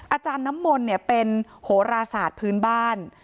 อาจารย์น้ำมนต์เป็นโหราศาสตร์พื้นบ้าน